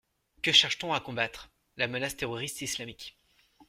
Que cherche-t-on à combattre ? La menace terroriste islamique.